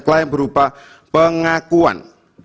ke lain berupa pengakuan